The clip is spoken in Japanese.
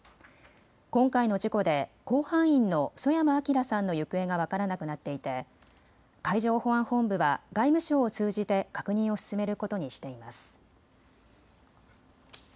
今回の事故で甲板員の曽山聖さんの行方が分からなくなっていて海上保安本部は外務省を通じて確認を進めることにしています。